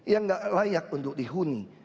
yang tidak layak untuk dihuni